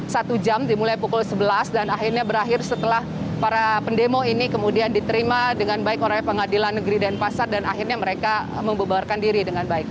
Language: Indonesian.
satu jam dimulai pukul sebelas dan akhirnya berakhir setelah para pendemo ini kemudian diterima dengan baik oleh pengadilan negeri denpasar dan akhirnya mereka membebarkan diri dengan baik